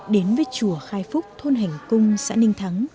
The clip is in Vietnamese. đến với chùa khai phúc thôn hành cung xã ninh thắng